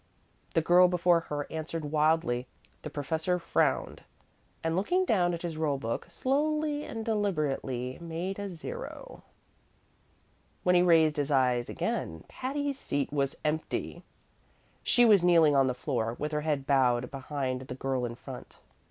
The girl before her answered wildly; the professor frowned, and, looking down at his roll book, slowly and deliberately made a zero. When he raised his eyes again Patty's seat was empty. She was kneeling on the floor, with her head bowed behind the girl in front.